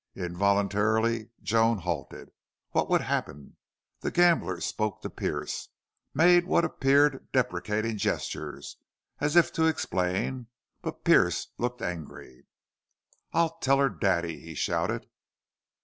Involuntarily Joan halted. What would happen? The gambler spoke to Pearce, made what appeared deprecating gestures, as if to explain. But Pearce looked angry. "I'll tell her daddy!" he shouted.